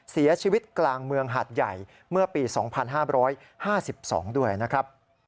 เสียชีวิตกลางเมืองหาดใหญ่เมื่อปี๒๕๕๒ด้วยนะครับ